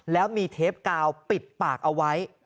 แล้วมีเทปกาวปิดปากเอาไว้